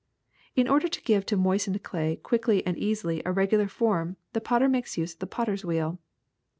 *^In order to give to moistened clay quickly and easily a regular' form the potter makes use of the potter's wheel.